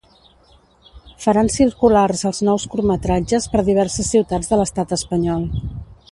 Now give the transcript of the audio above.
Faran circulars els nous curtmetratges per diverses ciutats de l’estat espanyol.